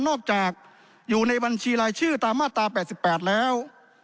นอกจากอยู่ในบัญชีรายชื่อตามมาตรา๘๘แล้ว